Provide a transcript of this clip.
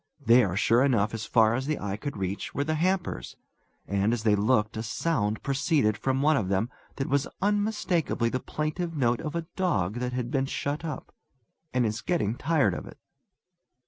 There, sure enough, as far as the eye could reach, were the hampers; and, as they looked, a sound proceeded from one of them that was unmistakably the plaintive note of a dog that has been shut up, and is getting tired of it.